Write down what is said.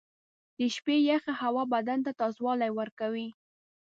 • د شپې یخې هوا بدن ته تازهوالی ورکوي.